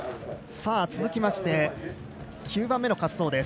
続きまして、９番目の滑走